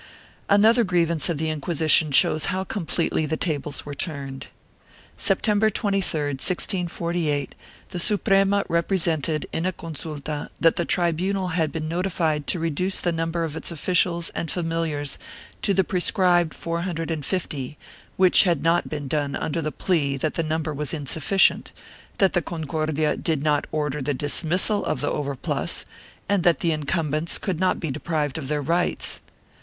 Another grievance of the Inquisition shows how completely the tables were turned. September 23, 1648, the Suprema repre sented in a consulta that the tribunal had been notified to reduce the number of its officials and familiars to the prescribed four hundred and fifty, which had not been done under the plea that the number was insufficient, that the Concordia did not order the dismissal of the overplus and that the incumbents could not be deprived of their rights.